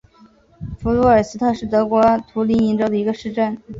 弗卢尔斯特是德国图林根州的一个市镇。